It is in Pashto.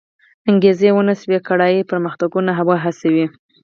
انګېزې و نه شوی کړای پرمختګونه وهڅوي.